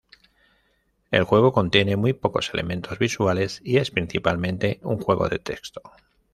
El juego contiene muy pocos elementos visuales y es principalmente un juego de texto.